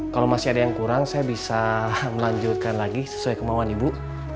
kalau masih ada yang kurang saya bisa melanjutkan lagi sesuai kemauan ibu